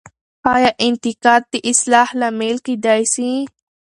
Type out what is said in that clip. آیا انتقاد د اصلاح لامل کیدای سي؟